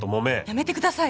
やめてください